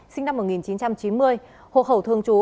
sinh năm một nghìn chín trăm chín mươi hộp hậu thường trú